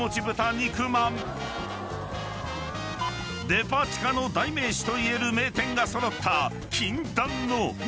［デパ地下の代名詞といえる名店が揃った禁断の並び替え］